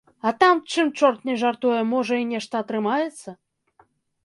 А там, чым чорт не жартуе, можа, і нешта атрымаецца?